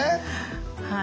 はい。